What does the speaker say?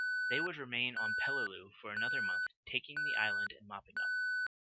They would remain on Peleliu for another month taking the island and mopping-up.